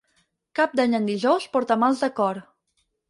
Cap d'Any en dijous porta mals de cor.